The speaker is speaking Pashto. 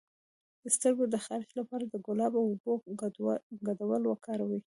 د سترګو د خارښ لپاره د ګلاب او اوبو ګډول وکاروئ